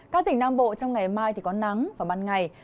các tỉnh nam bộ trong ngày mai thì có nắng vào ban ngày